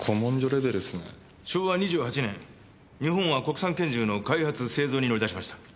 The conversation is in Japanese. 昭和２８年日本は国産拳銃の開発製造に乗り出しました。